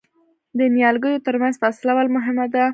د نیالګیو ترمنځ فاصله ولې مهمه ده؟